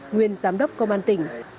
nguyên giám đốc công an tỉnh